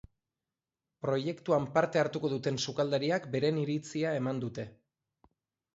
Proiektuan parte hartuko duten sukaldariak beren iritzia eman dute.